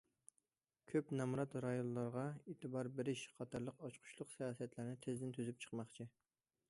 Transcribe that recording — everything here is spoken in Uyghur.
كۆك نامرات رايونلارغا ئېتىبار بېرىش قاتارلىق ئاچقۇچلۇق سىياسەتلەرنى تېزدىن تۈزۈپ چىقماقچى.